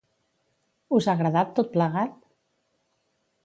Us ha agradat tot plegat?